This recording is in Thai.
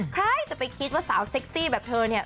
ใครจะไปคิดว่าสาวเซ็กซี่แบบเธอเนี่ย